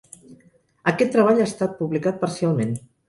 Aquest treball ha estat publicat parcialment.